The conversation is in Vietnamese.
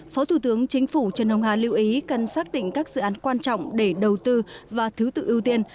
phó thủ tướng chính phủ trần hồng hà lưu ý cần xác định các dự án quan trọng để đầu tư và thứ tự ưu tiên